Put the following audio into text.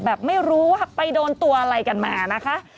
ไม่รู้ว่าไปโดนตัวอะไรกันมานะคะ